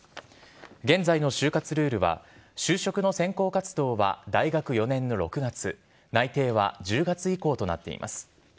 現在の就活ルールは就職の選考活動は大学４年の６月内定は１０月以降となっています。